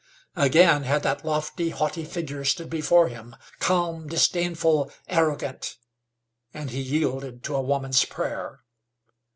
Again had that lofty, haughty figure stood before him, calm, disdainful, arrogant, and he yielded to a woman's prayer.